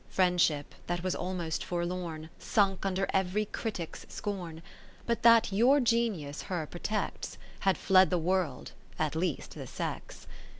II Friendship that was almost forlorn, Sunk under every critic's scorn ; But that your Genius her protects. Had fled the World, at least the sex.